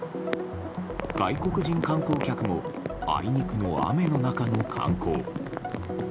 外国人観光客もあいにくの雨の中の観光。